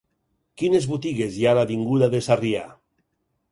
Quines botigues hi ha a l'avinguda de Sarrià?